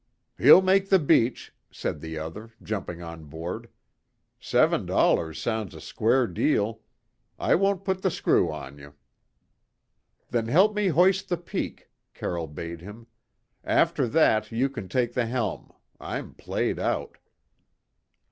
"He'll make the beach," said the other, jumping on board. "Seven dollars sounds a square deal. I won't put the screw on you." "Then help me hoist the peak," Carroll bade him. "After that, you can take the helm; I'm played out."